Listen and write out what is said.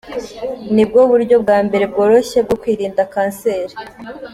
Nibwo buryo bwa mbere bworoshye bwo kwirinda kanseri.